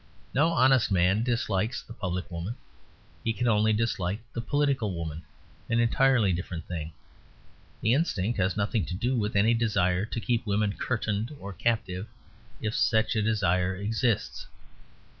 No honest man dislikes the public woman. He can only dislike the political woman; an entirely different thing. The instinct has nothing to do with any desire to keep women curtained or captive: if such a desire exists.